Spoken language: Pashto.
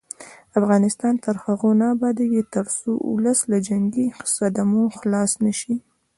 افغانستان تر هغو نه ابادیږي، ترڅو ولس له جنګي صدمو خلاص نشي.